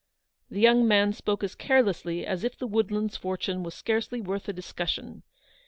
The young man spoke as carelessly as if the Woodlands fortune were scarcely worth a dis cussion.